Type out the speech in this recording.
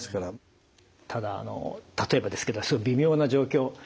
ただ例えばですけど微妙な状況